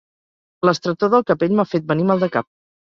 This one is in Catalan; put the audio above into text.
L'estretor del capell m'ha fet venir mal de cap.